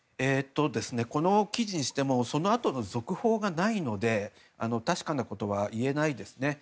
この記事にしてもそのあとの続報がないので確かなことは言えないですね。